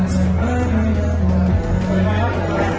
ขอบคุณครับ